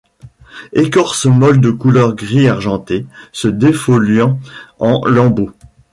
Écorce molle de couleur gris argenté, se défoliant en lambeaux.